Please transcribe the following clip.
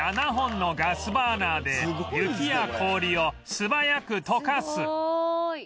７本のガスバーナーで雪や氷を素早く溶かす